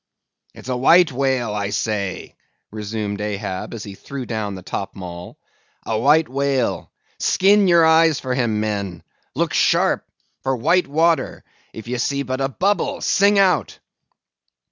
"It's a white whale, I say," resumed Ahab, as he threw down the topmaul: "a white whale. Skin your eyes for him, men; look sharp for white water; if ye see but a bubble, sing out."